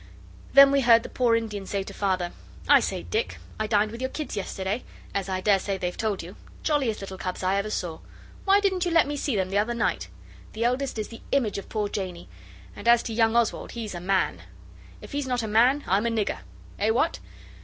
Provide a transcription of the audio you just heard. Then we heard the poor Indian say to Father 'I say, Dick, I dined with your kids yesterday as I daresay they've told you. Jolliest little cubs I ever saw! Why didn't you let me see them the other night? The eldest is the image of poor Janey and as to young Oswald, he's a man! If he's not a man, I'm a nigger! Eh! what?